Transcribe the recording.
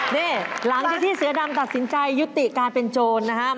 นี่หลังจากที่เสือดำตัดสินใจยุติการเป็นโจรนะครับ